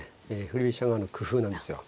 振り飛車側の工夫なんですよ。